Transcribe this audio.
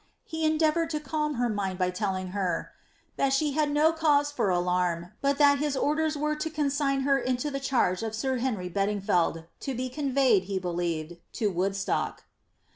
He endeavoured to calm her mind by telling hat^ ^ that Khe had no cauae for alarm ; but that his orders were to consign her into the charge of sir Henry Bedingfeld| to be conveyed, he belief^ to Woodstock."